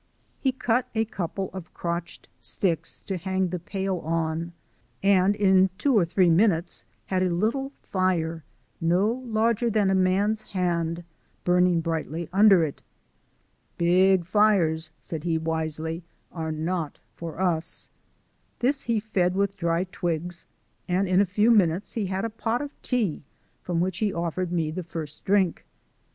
He cut a couple of crotched sticks to hang the pail on and in two or three minutes had a little fire, no larger than a man's hand, burning brightly under it. ("Big fires," said he wisely, "are not for us.") This he fed with dry twigs, and in a very few minutes he had a pot of tea from which he offered me the first drink.